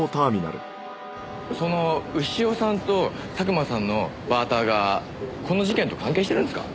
その潮さんと佐久間さんのバーターがこの事件と関係してるんですか？